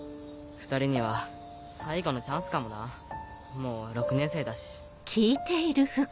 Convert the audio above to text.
２人には最後のチャンスかもなもう６年生だし。